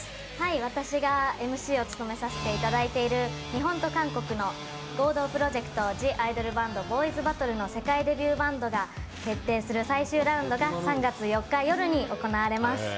私がＭＣを務めさせていただいている、日本と韓国の合同プロジェクト、「ＴＨＥＩＤＯＬＢＡＮＤ：ＢＯＹ’ｓＢＡＴＴＬＥ」の世界デビューバンドが決定する最終ラウンドが３月４日、夜に行われます。